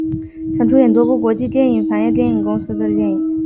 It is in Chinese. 曾演出多部国际电影懋业电影公司的电影。